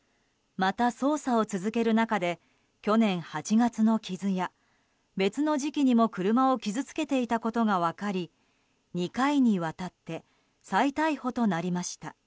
また、捜査を続ける中で去年８月の傷や別の時期にも車を傷つけていたことが分かり２回にわたって再逮捕となりました。